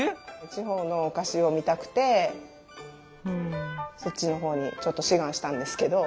地方のお菓子を見たくてそっちのほうにちょっと志願したんですけど。